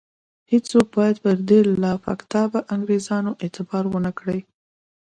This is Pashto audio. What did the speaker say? هیڅوک باید پر دې لافکتابه انګرېزانو اعتبار ونه کړي.